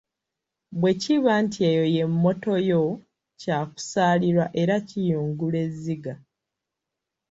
Bwe kiba nti eyo ye “mmoto” yo kyakusaalirwa era kiyungula ezziga!